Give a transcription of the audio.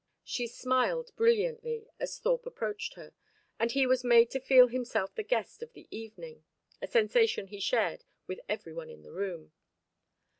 She smiled brilliantly as Thorpe approached her, and he was made to feel himself the guest of the evening, a sensation he shared with every one in the room.